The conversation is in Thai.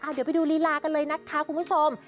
เดี๋ยวไปดูลีลากันเลยนะคะคุณผู้ชม